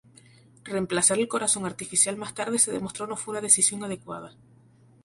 Reemplazar el corazón artificial más tarde se demostró no fue una decisión adecuada.